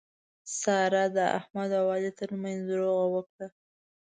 سارې د احمد او علي ترمنځ روغه وکړه.